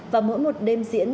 và mỗi một đêm diễn